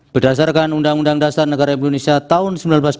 berdasarkan undang undang dasar negara indonesia tahun seribu sembilan ratus empat puluh